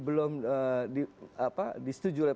belum disetujui oleh